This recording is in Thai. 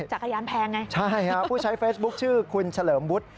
จักรยานแพงไงใช่ฮะผู้ใช้เฟซบุ๊คชื่อคุณเฉลิมวุฒิ